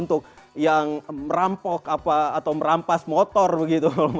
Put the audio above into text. untuk mengajak mereka untuk berbuka bersama